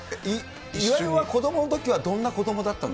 岩井は子どものときはどんな子どもだったの？